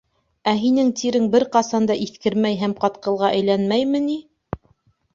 Ә һинең тирең бер ҡасан да иҫкермәй һәм ҡатҡылға әйләнмәйме ни?